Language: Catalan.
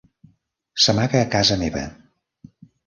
S'amaga a casa meva.